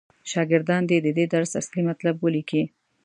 شاګردان دې د دې درس اصلي مطلب ولیکي.